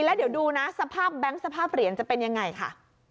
แล้วเดี๋ยวดูนะสภาพแบงค์สภาพเหรียญจะเป็นยังไงค่ะ